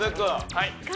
はい。